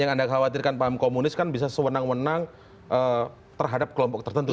yang anda khawatirkan paham komunis kan bisa sewenang wenang terhadap kelompok tertentu